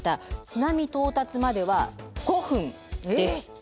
津波到達までは５分です。